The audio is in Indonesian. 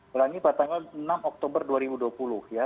berarti pada tanggal enam oktober dua ribu dua puluh ya